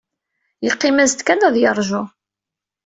Yeqqim-as-d kan ad yeṛju.